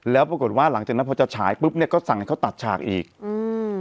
แล้วปรากฏว่าหลังจากนั้นพอจะฉายปุ๊บเนี้ยก็สั่งให้เขาตัดฉากอีกอืม